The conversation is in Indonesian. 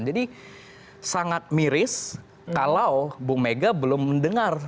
jadi sangat miris kalau ibu mega belum mendengar